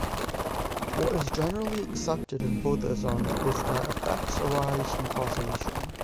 What is generally accepted in Buddhism is that effects arise from causation.